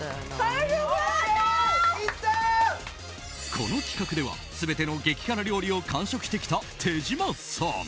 この企画では全ての激辛料理を完食してきた手島さん。